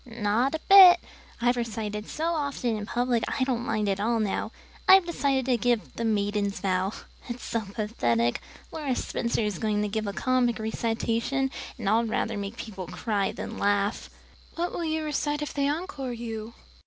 "Not a bit. I've recited so often in public I don't mind at all now. I've decided to give 'The Maiden's Vow.' It's so pathetic. Laura Spencer is going to give a comic recitation, but I'd rather make people cry than laugh." "What will you recite if they encore you?"